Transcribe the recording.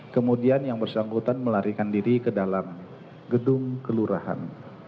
kemudian yang bersangkutan melarikan diri ke dalam gedung kelurahan